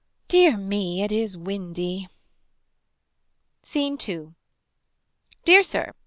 Dear me it is windy. SCENE 2. Dear Sir.